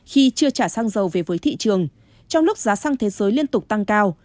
khi chưa trả sang dầu về với thị trường trong lúc giá sang thế giới liên tục tăng cao